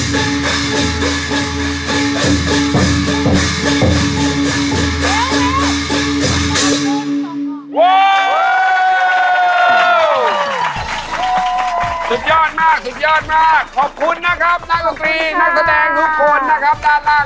ด้านล่างขอบคุณครับ